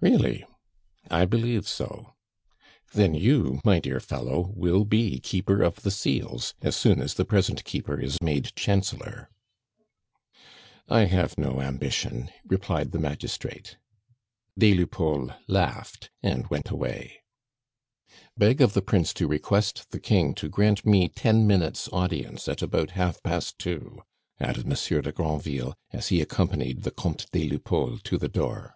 "Really!" "I believe so." "Then you, my dear fellow, will be Keeper of the Seals as soon as the present Keeper is made Chancellor " "I have no ambition," replied the magistrate. Des Lupeaulx laughed, and went away. "Beg of the Prince to request the King to grant me ten minutes' audience at about half past two," added Monsieur de Granville, as he accompanied the Comte des Lupeaulx to the door.